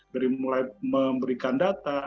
dari mulai memberikan data